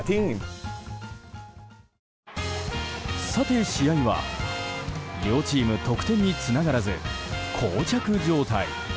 さて、試合は、両チーム得点につながらず膠着状態。